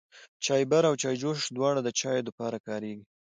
چايبر او چايجوشه دواړه د چايو د پاره کاريږي.